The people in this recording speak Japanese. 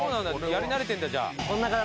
やり慣れてるんだじゃあ。